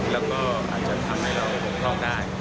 แล้วก็อาจจะทำให้เราบกพร่องได้